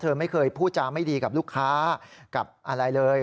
เธอไม่เคยพูดจาไม่ดีกับลูกค้ากับอะไรเลย